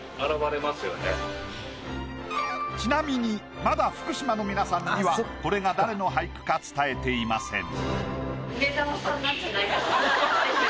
ちなみにまだ福島の皆さんにはこれが誰の俳句か伝えていません。